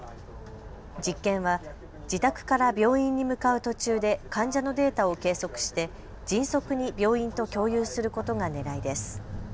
実験は自宅から病院に向かう途中で患者のデータを計測して迅速に病院と共有することがねらいです。